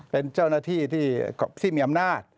เป็นเจ้าหน้าที่ที่มีอำนาจ